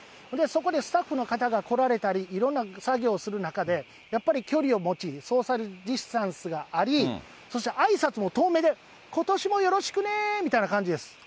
そこでスタッフの方が来られたり、いろんな作業をする中で、やっぱり距離を持ち、ソーシャルディスタンスがあり、そして挨拶も遠めで、ことしもよろしくねみたいな感じです。